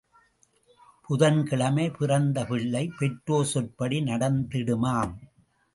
புதன் கிழமை பிறந்த பிள்ளை பெற்றோர் சொற்படி நடந்திடுமாம்.